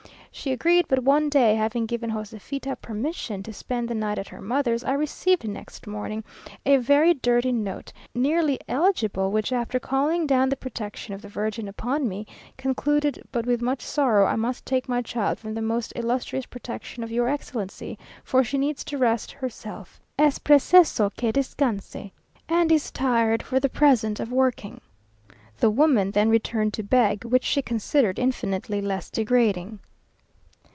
She agreed; but one day having given Joséfita permission to spend the night at her mother's, I received next morning a very dirty note, nearly illegible, which, after calling down the protection of the Virgin upon me, concluded "but with much sorrow I must take my child from the most illustrious protection of your excellency, for she needs to rest her self, (es preciso que descanse,) and is tired for the present of working." The woman then returned to beg, which she considered infinitely less degrading.